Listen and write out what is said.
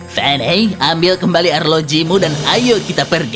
venage ambil kembali arlojimu dan ayo kita pergi